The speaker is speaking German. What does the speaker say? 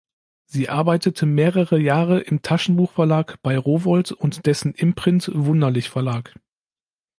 Sie arbeitete mehrere Jahre im Taschenbuchverlag bei Rowohlt und dessen Imprint Wunderlich Verlag.